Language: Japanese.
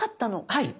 はい。